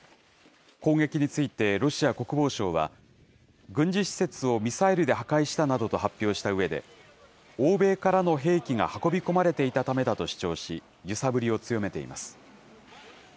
攻撃についてロシア国防省は、軍事施設をミサイルで破壊したなどと発表したうえで、欧米からの兵器が運び込まれていたためだと主張し、揺さぶりを強めています。